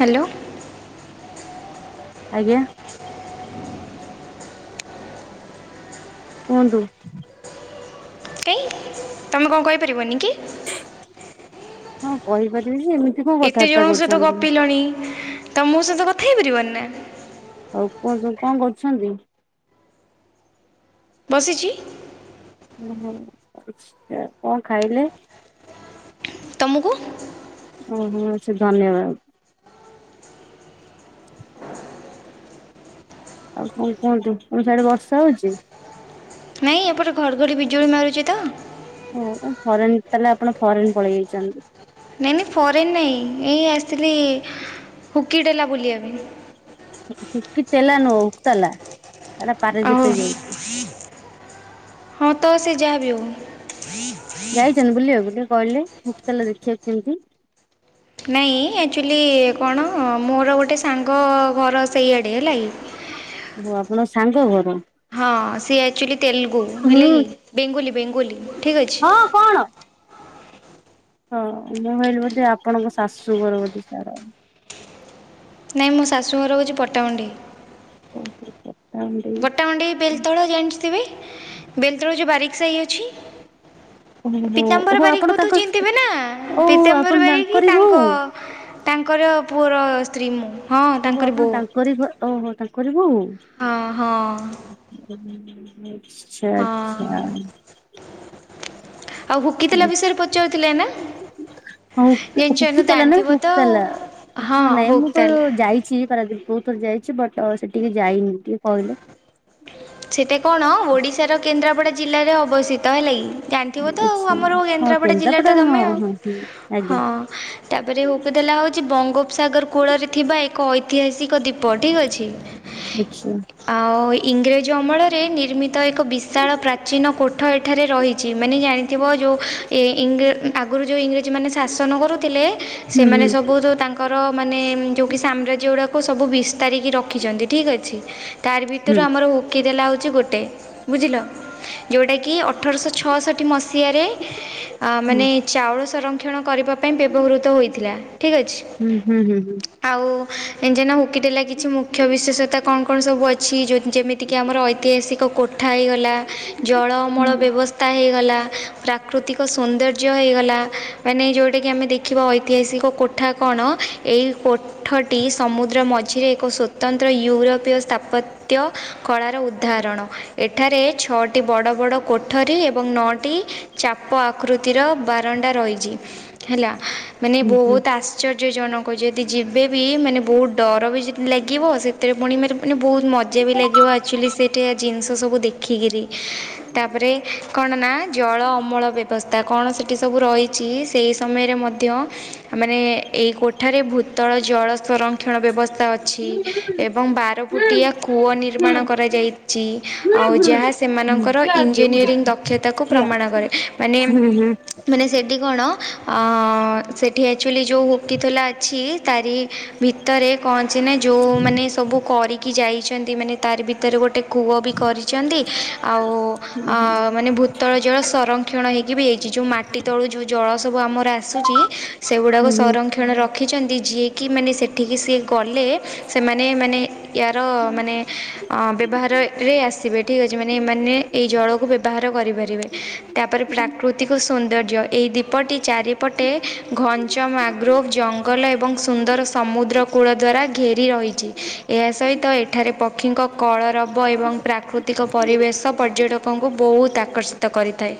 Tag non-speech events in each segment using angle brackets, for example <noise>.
Hello. ଆଜ୍ଞା। କୁହନ୍ତୁ। କାଇଁ ତମେ କଁ କହିପାରିବନି କି? ହଁ କହିପାରିବି। ଯେ ଏମିତି କଣ ଏତେ ଜଣଙ୍କ କଥାବାର୍ତ୍ତା ସହିତ କରୁଛନ୍ତି। ଗପିଲଣି ତ ମୋ ସହିତ କଥା ହେଇପାରିବନି ନାଁ। ହଉ କୁହନ୍ତୁ କଁ କରୁଛନ୍ତି? ବସିଚି। ଉଁ ହୁଁ ଯା କଁ ଖାଇଲେ? ତୁମକୁ। ଉଁ ହୁଁ ସେ ଧନ୍ୟବା। ଆଉ କଁ କୁହନ୍ତୁ ତମ ସିଆଡ଼େ ବର୍ଷା ହଉଚି। ନାଇଁ ଏପଟେ ଘଡ଼ଘଡ଼ି ବିଜୁଳି ମାରୁଚି ତ। ଓ ଓ ଫରେନ୍ ତାଲେ ଆପଣ ଫରେନ୍ ପଳେଇ ଯାଇଚନ୍ତି। ନାଇଁ ନାଇଁ ଫରେନ୍ ନାଇଁ ଏଇ ଆସିଥିଲି ହୁକିଡେଲା ବୁଲିବା ପାଇଁ। କି ତେଲା ନୁଅ ଉକତାଲା ଏଟା ପାରାଦୀପ୍ ଓହୋ ରେ ଯାଉଚି। ହଁ ତ ସେ ଯାହା ବି ହୋଉ। ଯାଇଚନ୍ତି ବୁଲିବାକୁ ଟିକେ କହିଲେ ହୁକତାଲା ଦେଖିବାକୁ କେମତି। ନାଇଁ ଏଚୁଲି କଣ ମୋର ଗୋଟେ ସାଙ୍ଗ ଘର ସେଇଆଡ଼େ ହେଲା କି ଣ ସାଙ୍ଗ ଘର? ହଁ ସିଏ ଆଚୁଲି ତେଲଗୁ ହୁଁ ହେଲା କି ବେଙ୍ଗୋଲୀ ବେଙ୍ଗୋଲୀ ଠିକ୍ ଅଛି। ହଁ କଣ? ହଁ ମୁଁ କହିଲି ବୋଧେ ଆପଣଙ୍କ ଶାଶୁ ଘର ବୋଧେ ସ୍ୟାଡ଼। ନାଇଁ ମୋ ଶାଶୁଘର ହୋଉଚି ପଟାମୁଣ୍ଡେଇ। ଓହୋ ପ ପଟ୍ଟାମଣ୍ଡାଇ ବେଲତଳ ଜାଣି ଥିବେ ବେଲତଳ ଯଉଁ ବାରିକସାହି ଅଛି। ଓହୋ ପୀତାମ୍ବର ଓହୋ ଆପଣ ବାରିକଙ୍କୁ ତୁ ତାଙ୍କ ଚିହ୍ନି ଥିବେ ନା ଓହୋ ପୀତାମ୍ବର ଆପଣ ବାରିକ ତାଙ୍କରି ବୋହୂ ତାଙ୍କ ତାଙ୍କର ପୁଅର ସ୍ତ୍ରୀ ମୁଁ। ହଁ ଓହୋ ତାଙ୍କରି ଆପଣ ବୋଉ ତାଙ୍କରି ଘ ଓହୋ ତାଙ୍କରି ବୋହୂ। ହଁ ହଁ ଆଚଛା ହଁ ଆଚଛା। ଆଉ ଭୁକିଥିଲା ବିଷୟରେ ପଚାରୁଥିଲେ ନା? ହ ଜାଣିଛ ହକିତଲ ନା ଜାଣିଥିବ ତ ଆଉ ହକ୍ତତଲା। ହଁ <unintelligible> ନାଇଁ ହୁକ୍ ମୁଁ ତ ତାଲା ଯାଇଛି ପାରାଦୀପ। ବହୁତ ଥରେ ଯାଇଚି ବଟ୍ ସେଟିକି ଯାଇନି ଟିକେ କହିଲେ। ପଡା ଜିଲ୍ଲାରେ ଅବସ୍ଥିତ। ତ ହେଲା କିି ଜାଣିଥିବ ତ, ଆଉ ଆଚ୍ଛା ଆମର ହଁ କେନ୍ଦ୍ରାପଡ଼ା ଜିଲ୍ଲାରେ କେନ୍ଦ୍ରାପଡା ତ ହଁ ତମେ ଆଉ ହଁ ହଁ ଆଜ୍ଞା ହଁ ତା ଉପଥିଲା ହଉଚି ବଙ୍ଗୋପ ସାଗର କୂଳରେ ଥିବା ଏକ ଐତିହାସିକ ଦ୍ୱୀପ ଠିକ୍ ଅଛି? ଦେଖିଆ ଆଉ ଇଂରେଜ ଅମଳରେ ନିର୍ମି ତ ଏକ ବିଶାଳ ପ୍ରାଚୀନ କୋଠ ଏଠାରେ ରହିଚି ମାନେ ଜାଣିଥିବ ଯଉ ଏ ଇଂରେଜ ଆ ଗୁରୁ ଯଉଁ ଇଂରେଜୀ ମାନେ ଶାସନ କରୁଥିଲେ, ହୁଁ ସେମାନେ ସବୁ ତାଙ୍କର ମାନେ ଯଉଁ କି ସାମ୍ରାଜ୍ୟ ଳ କୁ ସବୁ ବିସ୍ତାରି କି ରଖିଚନ୍ତି ଠିକ୍ ଅଛି, ତାର ହୁଁ ହୁଁ ଭିତରୁ ଆମ ଣ ହଉଚି ଗୋଟିଏ ବୁଝିଲ ଯେଉଁଟାକି ଅଠରଶହ ଛଅଷଠି ମସିହାରେ ଅ ମାନେ ଚାଉଳ ସଂରକ୍ଷଣ କରିବା ଥି ପାଇଁ ବ୍ୟବହୃତ ହୋଇଥିଲା ଠିକ ଅଛି ହୁଁ ହୁଁ ହୁଁ ହୁଁ ଆଉ ଜାଣିଚ ନା ହୁକିତାଲା କିଛି ମୁଖ୍ୟ ବିଶେଷତା କଣ କଣ ସବୁ ଅଛି ଯଉ ଯେମିତି ଏତିକି ଆମର ଐତିହାସିକ କୋଠା ହେଇଗଲା, ଜଳମଳ ବ୍ୟବସ୍ଥା ହେଇଗଲା ପ୍ରାକୃ ପ୍ରାକୃତିକ ସୋନ୍ଦର୍ଯ୍ୟ ହେଇଗଲା ମାନେ ଯୋଉଟା କି ଆମେ ଦେଖିବା ଐତିହାସିକ କୋଠା କଣ ଏ ଏହି କୋଠଟି ସମୁଦ୍ର ମଝିରେ ଏକ ସ୍ୱତନ୍ତ୍ର ୟୁରୋପୀୟ ସ୍ଥାପତ୍ୟ କଳାର ଉଦାହରଣ। ଏଠାରେ ଛଅଟି ବଡ଼ ବଡ଼ କୋଠରୀ ଏବଂ ନଅଟି ଚାପ ଆକୃତିର ବାରଣ୍ଡା ର ରହିଚି ହେଲା, ମାନେ ହୁଁ ହୁଁ ହୁଁ ହୁଁ ହୁଁ ହୁଁ ବହୁତ ଆଶ୍ଚଯ ଜନକ ଯଦି ଯିବେବି ମାନେ ବହୁ ଡର ବି ଯଦି ଲାଗିବ ସେଥିରେ ପୁଣି ମ ମାନେ ବହୁତ ମଜା ବି ଲାଗିବ। ସେଠିକା ଜିନିଷ ସବୁ ଦେଖିକିରି, ତାପରେ କ କଣ ନା ଜଳ ଅମଳ ବ୍ୟବସ୍ଥା କଣ ସେଠି ସବୁ ରହିଚି ସେଇ ସମୟରେ ମଧ୍ୟ ମାନେ ଏଇ କୋଠା ରେ ଭୂତଳ ଜଳ ସଂରକ୍ଷଣ ବ୍ୟବସ୍ଥା ଅଛି ହୁଁ ଏବଂ ବାର ଫୁଟିଆ କୂଅ ନିର୍ମାଣ ଏ ଇଚି ଆଉ ଯାହା ସେମାନଙ୍କର ଇଞ୍ଜିନିୟରିଂ ଦକ୍ଷତାକୁ ହୁଁ ପ୍ରମାଣ କରେ ମାନେ ହୁଁ ହୁଁ। ମାନେ ସେଠି କଣ ଅ ସେଠି ଆକଚୁଆଲି ଯଉ ଉକିଥୋଲା ଅଛି ତାରି ଭିତରେ କଣ ଅଛି ନା ଯୋଉ ମାନେ ସବୁ କରିକି ଯାଇଛନ୍ତି ମାନେ ତାରି ଭିତ ତାର ଗୋଟେ କୂଅ ବି କରିଚନ୍ତି ଆଉ ଅ ମାନେ ଭୂତଳ ଜଳ ସଂରକ୍ଷଣ ହେଇକି ବି ହେଇଚି। ଯୋଉ ମାଟି ତଳୁ ଯୋଉ ଜଳ ସବୁ ଆମର ଆସୁଚି ସେଗୁଡାକ ହଁ ସଂରକ୍ଷଣ ରଖିଛନ୍ତି। ଯିଏକି ମାନେ ସେଠିକି ସିଏ ଗଲେ ସେମାନେ ମାନେ ୟାର ମାନେ ଆ ବ୍ୟବହାରରେ ରେ ଆସିବ। ମାନେ ଠିକ ଅଛି ମାନେ ଏମାନେ ଏଇ ଜଳକୁ ବ୍ୟବହାର କରିପାରିବେ। ତାପରେ ପ୍ରାକୃତିକ ସୌନ୍ଦର୍ଯ୍ୟ ଏହି ଦ୍ୱୀପଟି ଚାରିପଟେ ଘଞ୍ଚମାନଗ୍ରୁଭ ଜଙ୍ଗଲ ଏବଂ ସୁନ୍ଦର ସମୁଦ୍ର କୂଳ ଦ୍ୱାରା ଘେରି ରହିଚି। ଏହା ସହିତ ଏଠାରେ ପକ୍ଷୀଙ୍କ କଳରବ ଏବଂ ପ୍ରାକୃତିକ ପରିବେଶ ପର୍ଯ୍ୟଟକଙ୍କୁ ବହୁତ ଆକର୍ଷିତ କରିଥାଏ।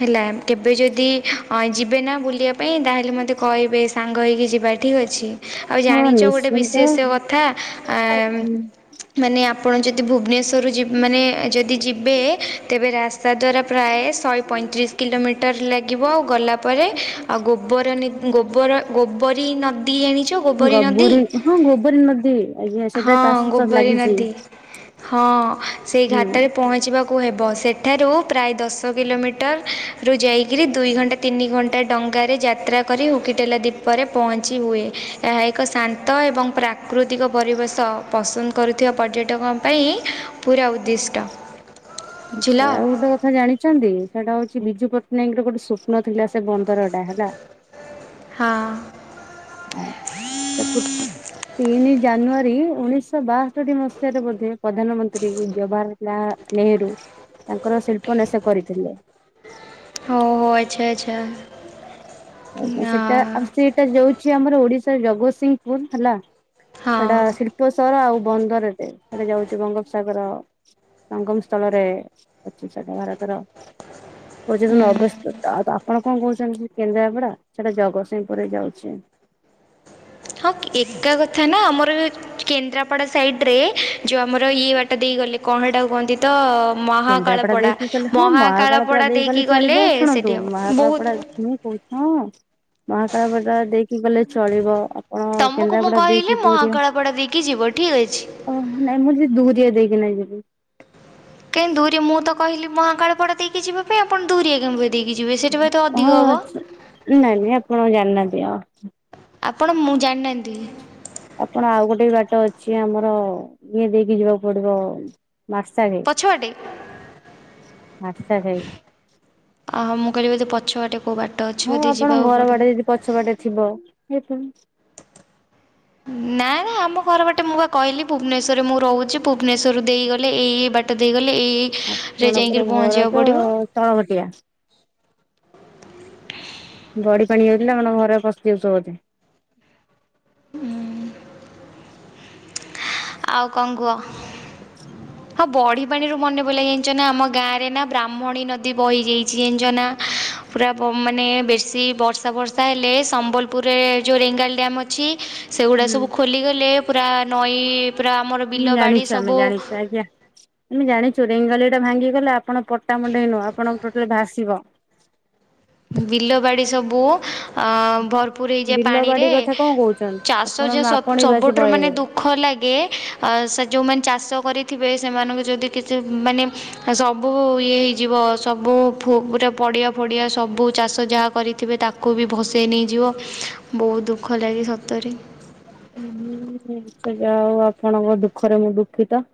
ହେଲା, କେବେ ଯଦି ଅ ଯିବେ ନା ବୁଲିବାକୁ ପାଇଁ ତାହେଲେ ମୋତେ କହିବେ ସାଙ୍ଗ ହେଇକି ଯିବା ଠିକ୍ ଅଛି। ଆଉ ଜାଣିଚ ଗୋଟେ ନିଶ୍ଚିନ୍ତ ବିଶ୍ୟେଷ କଥା ଆ ହୁଁ ମାନେ ଆପଣ ଯଦି ଭୁବନେଶ୍ୱର ତରୁ ଯି, ମାନେ ଯଦି ଯିବେ, ତେବେ ରାସ୍ତା ଦ୍ୱାରା ପ୍ରାୟେ ଶହେ ପଈଁତିରିଶି କିଲୋମିଟର ଲାଗିବ ଗଲାପରେ ଆଉ ଗୋବର ଗୋବର ଗୋପରି ନଦୀ ଜାଣିଚନ୍ତି ଗୋବରୀ ହଁ ଗୋବରୀ ନଦୀ ଆଜ୍ଞା ସେଇଟା ତାଷ ଗୋବରି ନଦୀ ହଁ ସେଇ ହୁଁ। ଘାଟରେ ପହଞ୍ଚିବାକୁ କୁ ହେବ ସେଠାରୁ ପ୍ରାୟ ଦଶ କିଲୋମିଟରରୁୁ ଯାଇକିରି ଦୁଇ ଘଣ୍ଟା ତିନି ଘଣ୍ଟା ଡ ଡଙ୍ଗାରେ ଯାତ୍ରା କରି ଉକିଟେଲା ଦ୍ୱୀପରେ ପହଞ୍ଚି ହୁଏ। ଏହା ଏକ ଶାନ୍ତ ଏବଂ ପ୍ରାକୃ ଅତିକ ପରିବେଶ। ପସନ୍ଦ କରୁଥିବା ପର୍ଯ୍ୟଟକଙ୍କ ପାଇଁ ପୁରା ଉଦ୍ଦିଷ୍ଟ। ବୁଝିଲ ଆଚ୍ଛା। ଆଉ ଗୋଟେ କଥା ଜାଣିଚନ୍ତି। ସେଟା ହଉଚି ବିଜୁ ପଟ୍ଟନାୟକଙ୍କ ର ଗୋଟେ ସ୍ୱପ୍ନ ଥିଲା ସେ ବନ୍ଦର ଟା ହେଲା। ହଁ ହଁ ତାକୁ ତିନି ଜାନୁ ଜାନୁଆରୀ ଉଣେଇଶହ ବାଷଠି ମସିହାରେ ବୋଧେ? ପ୍ରଧାନମନ୍ତ୍ରୀ ଜବାହରଲାଲ ନେହେରୁ ତାଙ୍କର ଶିଳ୍ପନାଶ୍ୟ କରିଥିଲେ। ଓହୋ ଆଚ୍ଛା ଆଚ୍ଛା। ଆଜ୍ଞା ସେଟା ଆଉ ସେଟା ଯାଉଛି ଆମର ଓଡିଶାର ଜଗତସିଂହପୁର ହେଲା। ହଁ ହଁ ସେଟା ଶିଳ୍ପ ସହର ଆଉ ବନ୍ଦର ଟେ। ହେଟା ଯାଉଛି ବଙ୍ଗୋପସା ଙ୍କର ସଂଙ୍ଗମ ସ୍ଥଳରେ ଅଛି ସେଟା ଭାରତର। ପଚିଶ ହୁଁ। ନବେସତା ଆ ଆଉ ଆପଣ କଣ କହୁଛନ୍ତି। କେନ୍ଦ୍ରା ଗୋଡା ଜଗତସିଂହପୁରରେ ଯାଉଚି। ହଁ, ଏକା କଥା ନା ଆମର କେନ୍ଦ୍ରାପଡା ସାଇଟରେ ଯେଉଁ ଆମର ଇଏ ବାଟ ଦେଇ ଗଲେ କଣ ହେଟାକୁ କୁହନ୍ତି ତ। କେନ୍ଦ୍ରାପଡା ମହାକାଳପଡ଼ା ଦେଇକି କଲେ ହଁ ମହାକାଳପଡା ମହାକାଳପଡ଼ା ଦେଇକି ଗଲେ ଚଳିବ। ଶୁଣନ୍ତୁ ସେଠି ହେବ ବହୁତ ମହାକାଳପଡା ହୁଁ କୋ ହଁ ମହାକାଳପଡ଼ା ଦେଇକି ଗଲେ ଚଳିବ। ଓ ତୁମକୁ ମୁଁ କେନ୍ଦ୍ରାପଡା କହିଲି ଦେଇକି ଦୁରିଆ ମହାକାଳପଡ଼ା ଦେଇକି ଯିବ ଠିକ୍ ଅଛି ଓ ନାଇଁ ମୁଁ ଦରିଆ ଦେଇ <unintelligible> କାଇଁ ଦୁରିଆ ମୁଁ ତ କହିଲି ମହାକାଳପଡ଼ା ଦେଇକି ଯିବା ପାଇଁ। ଆପଣ ଦୁରିଆ କଣପାଇଁ ହଁ ନାଇଁ ନାଇଁ ଆପଣ ଜାଣିନାହାନ୍ତି ଆଉ। ଆପଣ ମୁଁ ଜାଣିନାହାନ୍ତି। ଆପଣ ଆଉ ଗୋଟେ ବାଟ ଅଛି ଆମର ଇଏ ଦେଇକି ଯିବାକୁ ପଡିବ। ମାର୍ଶାଘାଇ ପଛୁଆଟେ। ହାରର୍ଶାଘାଇ। ଅହୋ ମୁଁ କହିଲି ବୋଧେ ପଛ ବାଟେ ହୁଁ ଆପଣଙ୍କ ଘର ବାଟେ ହେଇକି ପଛ ବାଟେ ଥିବ ଦେଖିନି। ନାଇ ଆମ ଘର ବାଟେ ମୁଁ ବା କହିଲି ଭୁବନେଶ୍ୱରରେ ମୁଁ ରହୁଚି। ଭୁବନେଶ୍ୱରରୁ ଦେଇଗଲେ ଏଇଏଇ ବାଟ ଦେଇଗଲେ ଏଇ ଏଇରେ ଆପଣଙ୍କର ଯାଇକିରି ଘର ପହଞ୍ଚିବାକୁ ତ ପଡ଼ିବ ତାଳଘଟିଆ। ବଡି ପାଣି ଯାଇଥିଲା ଆମ ଘରେ ପସି ଯାଇଚ୍ ବୋଧେ। ହୁଁ। ଆଉ କଁ କୁହ। ହଁ ହଁ ବଢ଼ି ପାଣିରୁ ମନେ ପଡ଼ିଲା ଜାଣିଚ ନା। ଆମ ଗାଁରେ ନା ବ୍ରାହ୍ମଣୀ ନଦୀ ବହିଯାଇଚି ଜାଣିଚନା। ପୁରା ବ ମାନେ ବେଶୀ ବର୍ଷା ବର୍ଷା ହେଲେ ସମ୍ବଲପୁରରେ ଯେଉଁ ରେଙ୍ଗାଲି ଡ୍ୟାମ୍ ଅଛି। ସେଗୁଡ଼ା ହୁଁ ସବୁ ଖୋଲିଗଲେ ପୁରା ନଈ ପୁରା ଆମର ବିଲ ମୁଁ ବାଡ଼ି ଜାଣିଚୁ ଆମେ ସବୁ ଜାଣିଚୁ ଆଜ୍ଞା ଆମେ ଜାଣିଚୁ ରେଙ୍ଗାଲି ଟା ଭାଙ୍ଗି ଗଲା ଆପଣ ପଟା ମୁଣ୍ଡେଇ ନୁହଁ ଆପଣଙ୍କ ଟୋଟାଲି ଭାସିବ। ବିଲ ବାଡ଼ି ସବୁ ଅଁ ଭରପୁର ହେଇଯାଏ ବିଲ ବାଡି ପାଣିରେ। କଥା କଣ କହୁଛନ୍ତି ଚାଷ ଆପଣ ଯେ ସବୁ ଆପଣ ବି ଭାସି ସବୁଠାରୁ ମାନେ ପଳେଇବେ। ଦୁଃଖ ଲାଗେ। ଅ ସେ ଯେଉଁମାନେ ଚାଷ କରିଥିବେ। ସେମାନଙ୍କୁ ଯଦି କିଛି ମାନେ ସବୁ ଇଏ ହେଇଯିବ। ସବୁ ପୁ ଫୁଁ ପୁରା ପଡିଆ ଫଡିଆ ସବୁ ବୁ ଚାଷ ଯାହା କରିଥିବେ ତାକୁ ବି ଭସେଇ ନେଇଯିବ। ବହୁତ ଦୁଃଖ ଲାଗେ ସତରେ। ହୁଁ ସେ ଯାହା ହଉ ଆପଣଙ୍କ ଦୁଃଖରେ ମୁଁ ଦୁଃଖୀତ।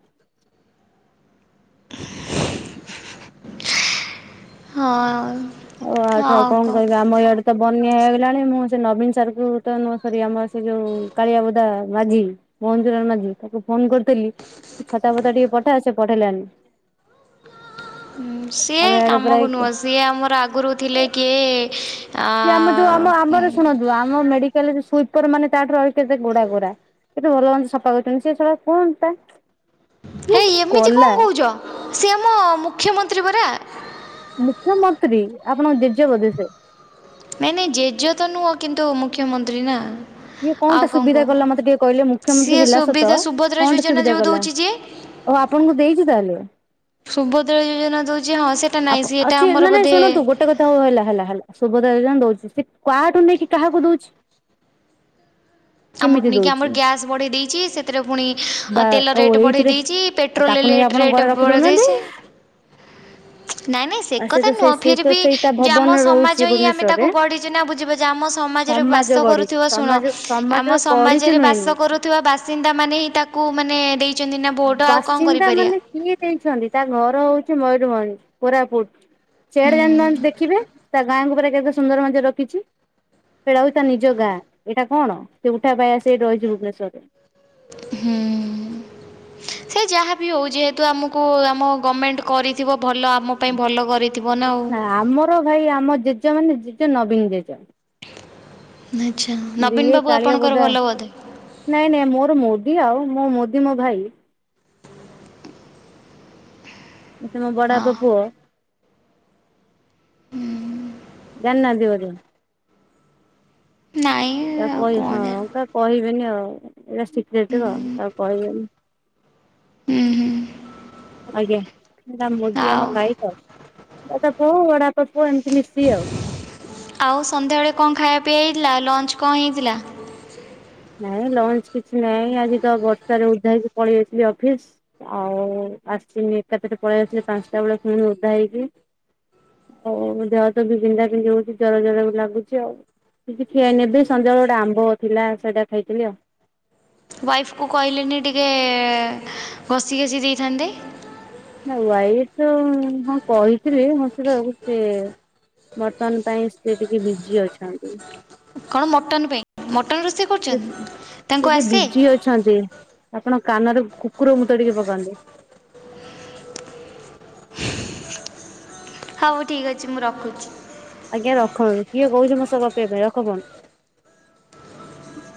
ହଁ ଆଉ ଓ ଆଠୁ ଆଉ କଣ କହିବି ଆମ ଇଆଡେ ତ ବ ନିଆ ହେଇଗଲାଣି ମୁଁ ସେ ନବୀନ ସାରଙ୍କୁ ତ ନୁହଁ ସରି ଆମର ସେ ଯୋଉ କାଳିଆ ବୋଦା ମାଝି। ମୋ ମନ୍ଦିରରେ ମାଗିବି ତାକୁ ଫୋନ କରିଥିଲି ତୁ ଛତା ଫତା ଟିକେ ପଠେଇ ଆସ ପଠେଇଲାନି। ଉଁ ସିଏ ଆମେ ଆଡେ ପୁରା କାମକୁ ନୁହେଁ ସିଏ ଆମର ଆଗରୁ ଥିଲେ କିଏ ସିଏ ଆମ ଯୋଉ ଆମ ଆମର ଶୁଣନ୍ତୁ ଆମ ମେଡିକାଲରେ ସେ ୱିପରମାନେ ତା ଠାରୁ ଆହୁରି ଗୋଡା ଗୋରା କେତେ ଭଲ <unintelligible> ସେ ସଫା କରଛନ୍ତି ସିଏ ସଳା କଣ ଟା ହେଇ ଏମିତି କଣ କହୁଚ ସିଏ ଆମ ମୁଖ୍ୟମନ୍ତ୍ରୀ ପରା। ମୁଖ୍ୟମନ୍ତ୍ରୀ ଆପଣଙ୍କ ଜେଜ ବୋଧି ସେ। ତୁ ମୁଖ୍ୟମନ୍ତ୍ରୀ ନା। ଇଏ ଆଉ କଣଟା କଣ ସୁବିଧା କୁହ? କଲା ମତେ ଟିକେ କହିଲେ ମୁଖ୍ୟମନ୍ତ୍ରୀ ସିଏ ହେଲା ସତ ସୁବିଧା ସୁଭଦ୍ରା କଣଟା ଯୋଜନା ସୁବିଧା ଯୋଉ କଲା? ଦଉଛି ଯିଏ ଓହୋ ଆପଣଙ୍କୁ ଦେଇଚି ତାହେଲେ। ସୁଭଦ୍ରା ଯୋଜନା ଦଉଛି ହଁ ସେଟା ନାହିଁ ଆପ ସେଟା ଆସଚି ଆମର ନା ନାଇଁ ବୋଧେ ଶୁଣନ୍ତୁ ଗୋଟେ କଥା ହୋଉ ହେଲା ହେଲା ଶୁଭଦ <unintelligible> ଦୋଉଚି ସେ କାଠୁ ନେଇକି କାହାକୁ ଦୋଉଛି? ଆମଠୁ ନେଇକି ଆମର ଗ୍ୟାସ୍ ବଢେଇ ଦେଇଚି ସେଥିରେ ପୁଣି ଆ ତେଲ ରେଟ୍ ବଢେଇ ଦେଇଚି ପେଟ୍ରୋଲ କୁ ନେଇ ରେଟ୍ ଆପଣ ରେଟ୍ ଘରେ ରଖି ବଢ଼େଇ ଦୋଉନାହାନ୍ତି। ଦେଇଛି। ନାଇଁ ନାଇଁ ସେ କଥା ନୁହଁ ଫିର ବି ଯେ ଆମ ଭବନରେ ରହୁଛି ସମାଜ ହିଁ ଆମେ ତାକୁ ଭୁବନେଶ୍ଵରରେ ଗଢ଼ିଚେ ନା ବୁଝିପାରୁଚେ ଆମ ସ ସମାଜରେ ସମାଜ ବାସ ଗଢି କରୁଥୁବ। ଶୁଣ ସମାଜ ସମାଜ ଆମ ଗଢିଛି ସମାଜରେ ବାସ ନୁହେଁନି କରୁଥୁବା ବାସିନ୍ଦା ମାନେ ହିଁ ତାକୁ ମାନେ ଦେଇ ବାସିନ୍ଦା ମାନେ କିଏ ଦେଇଛନ୍ତି ତା ଘର ହୋଉଚି ମୟୂରଭଞ୍ଜ। କୋରାପୁଟ ସେ ହୁଁ ଆଡେ ଯାଉନାହାନ୍ତି ଦେଖିବେ ତା ଗାଁକୁ ପୁରା କେତେ ସୁନ୍ଦର ମଧ୍ୟରେ ରଖିଚି। ସେଟା ହୋଉଚି ତା ନିଜ ଗାଁ ଏଇଟା କଣ ସେ ଉଠା ପାଇ ଆସି ଏଇଠି ରହିଚି ଭୁବନେଶ୍ଵରରେ। ହୁଁ। ସେ ଯାହାବି ହୋଉ ଯେହେତୁ ଆମକୁ ଆମ ଗମେଣ୍ଟ କରିିଥିବ ଭଲ ଆମ ପାଇଁ ଭଲ କରିଥିବ ନା ଆଉ। ଜେଜ ମାନେ ଜେଜ ନବୀନ ଜେଜ। ଆଚ୍ଛା ନବୀନ ଇଏ ବାବୁ କାଳିଆ ଆପଣଙ୍କର ବୋଦା ଭଲ ବୋଧେ? ନାଇଁ ନାଇଁ ମୋର ମୋ କି ଆଉ ମୋ ମୋଦି ମୋ ଭାଇ। ଆ ସେ ମୋ ବଡ ବାପା ହଁ ପୁଅ। ଜଣିନାହାନ୍ତି ବୋଧେ। ନାଇଁ ତା ଆଉ କହି କଣ ହଁ ଯେ କାକୁ କହିବେନି ଆଉ। ଏଇଟା ସିକ୍ରେଟ ର କାହାକୁ କହିବେନି। ହୁଁ ହୁଁ ଆଜ୍ଞା ଏଟା ମୋଦି ଆଉ ଆମ ଭାଇ ତ। ଆ ତାକୁ ବଡବାପା ପୁଅ ଏମିତି ମିଶିକି ଆଉ। ଆଉ ସନ୍ଧ୍ୟାବେଳେ କଣ ଖାଇଆ ପିଆ ହେଇ ଥିଲା ଲଞ୍ଚ୍ କଣ ହେଇଥିଲା? ନାଇଁ ଲଞ୍ଚ କିଛି ନାହିଁ ଆଜି ତ ବର୍ଷାରେ ଓଦା ହେଇକି ପଳେଆସିଲି ଅଫିସ ଆଉ ଆସିନି ଏକାଥରେ ପଳେଇ ଆସିଲି ପାଞ୍ଚଟା ବେଳେ ଫୁଣି ଓଦା ହେଇକି। ଆଉ ଦେହ ତ ବି ବିନ୍ଧା ବିନ୍ଧି ହୋଉଚି ଜର ଜର ବି ଲାଗୁଚି ଆଉ। କିଛି ଖିଆହେଇ ନେବି ସନ୍ଧ୍ୟାବେଳେ ଗୋଟେ ଆମ୍ବ ଥିଲା ସେଇଟା ଖାଇଥିଲି ଆଉ। ଘଷ ଘାଷି ଦେଇଥାନ୍ତେ। ନା ୱାଇ ତ ହଁ କହିଥିଲି ଘଷି ଦବାକୁ ସିଏ। ବର୍ତ୍ତମାନ ପାଇଁ ସେ ଟିକେ ବିଜି ଅଛନ୍ତି। କଣ ମଟନ୍ ପାଇଁ ମଟନ୍ ରୋଷେଇ ସେ କରୁଛନ୍ତି ଉଁ ତାଙ୍କୁ ଏବେ ଆସେ ବିଜି ଅଛନ୍ତି ଆପଣ କାନରେ କୁକୁର ମୁତ ଟିକେ ପକାନ୍ତୁ। ହୋଉ ଠିକ ଅଛି ମୁଁ ରଖୁଚି। ଆଜ୍ଞା ରଖ କିଏ କହୁଚି ମୁଁ ସେ ପକେଇବି ରଖ ଫୋନ। ହ